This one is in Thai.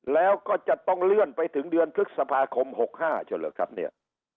แล้วก็จะต้องเลื่อนไปถึงเดือนพฤษภาคม๖๕เช่าเหรอครับเนี่ย